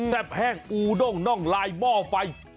แห้งอูด้งน่องลายหม้อไฟ